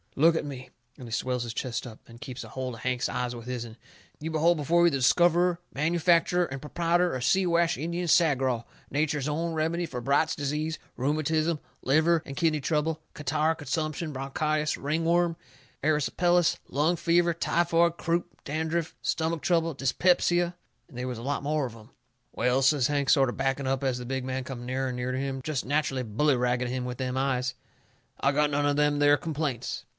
Look at me," and he swells his chest up, and keeps a holt of Hank's eyes with his'n. "You behold before you the discoverer, manufacturer, and proprietor of Siwash Indian Sagraw, nature's own remedy for Bright's Disease, rheumatism, liver and kidney trouble, catarrh, consumption, bronchitis, ring worm, erysipelas, lung fever, typhoid, croup, dandruff, stomach trouble, dyspepsia " And they was a lot more of 'em. "Well," says Hank, sort o' backing up as the big man come nearer and nearer to him, jest natcherally bully ragging him with them eyes, "I got none of them there complaints."